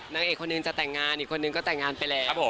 ตังค์๑จะแต่งงานแต่นัก๒ก็แต่งงานไปแหละ